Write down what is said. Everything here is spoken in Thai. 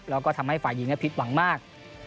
แล้วก็ทำให้ฝ่ายฝ่ายเจียร์ผิดหวังมาก